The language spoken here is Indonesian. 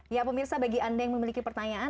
ya pemirsa bagi anda yang memiliki pertanyaan